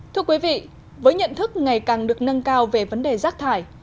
thưa quý vị với nhận thức ngày càng được nâng cao về vấn đề rác thải